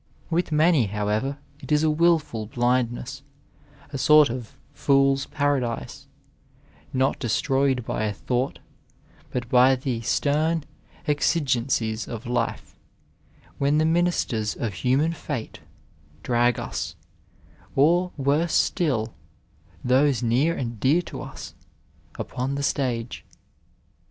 With many, however, it is a wilful blindness, a sort of fod's paradise, not destroyed by a thought, but by the stem exigencies of life, when the " ministers of human &te " drag us, or — ^worse still — ^those near and dear to us, upon the stage.